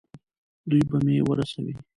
دوی به مې ورسوي.